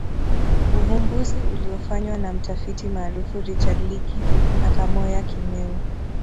Uvumbuzi uliofanywa na mtafiti maarufu Richard Leakey na Kamoya Kimeu